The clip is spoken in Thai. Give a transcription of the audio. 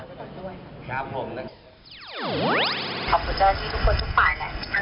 ขอบคุณเจ้าหน้าที่ทุกคนทุกฝ่ายแหละ